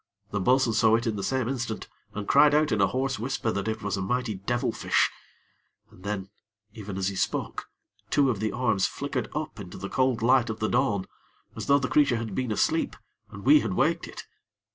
The bo'sun saw it in the same instant and cried out in a hoarse whisper that it was a mighty devilfish, and then, even as he spoke, two of the arms flickered up into the cold light of the dawn, as though the creature had been asleep, and we had waked it.